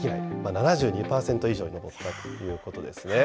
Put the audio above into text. ７２％以上に上ったということですね。